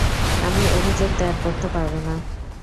আমি অভিযোগ দায়ের করতে পারব না।